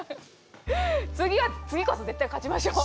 次こそ絶対勝ちましょう！